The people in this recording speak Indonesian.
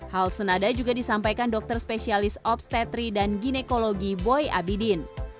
hal senada juga disampaikan dokter spesialis obstetri dan ginekologi boy abidin